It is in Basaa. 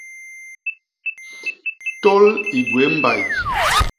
Tôl i gwéé mbay.